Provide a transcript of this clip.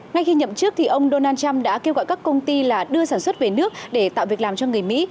ngay khi nhậm chức thì ông donald trump đã kêu gọi các công ty là đưa sản xuất về nước để tạo việc làm cho người mỹ